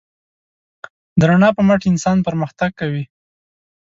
د رڼا په مټ انسان پرمختګ کوي.